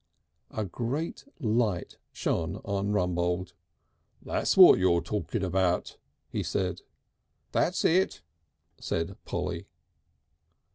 A great light shone on Rumbold. "That's what you're talking about!" he said. "That's it," said Polly.